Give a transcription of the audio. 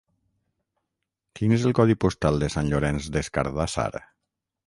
Quin és el codi postal de Sant Llorenç des Cardassar?